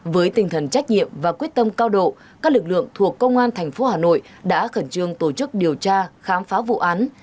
với tinh thần trách nhiệm và quyết tâm cao độ các lực lượng thuộc công an tp hà nội đã khẩn trương tổ chức điều tra khám phá vụ án